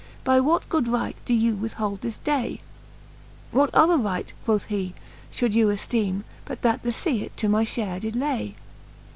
By what good right doe you withhold this day ? What other right, quoth he, fhould you efteeme. But that the fea it to my fliare did lay